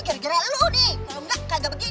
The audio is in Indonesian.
gara gara lu nih kalau enggak kagak begini